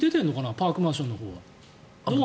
パークマンションのほうは。